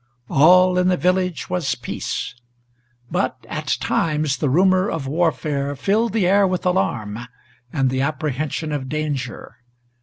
All in the village was peace; but at times the rumor of warfare Filled the air with alarm, and the apprehension of danger.